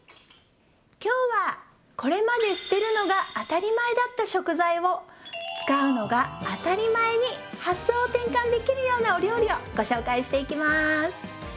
今日はこれまで捨てるのが当たり前だった食材を使うのが当たり前に発想を転換できるようなお料理をご紹介していきます！